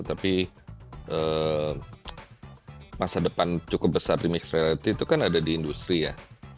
tapi masa depan cukup besar di mixed reality itu kan ada di industri ya